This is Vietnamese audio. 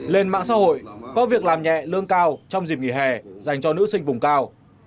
lên mạng xã hội có việc làm nhẹ lương cao trong dịp nghỉ hè dành cho nữ sinh vùng cao